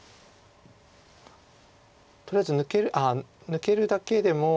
とりあえず抜けるだけでも。